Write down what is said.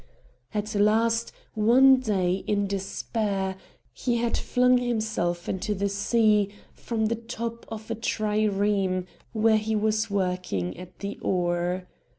At last, one day, in despair, he had flung himself into the sea from the top of a trireme where he was working at the oar.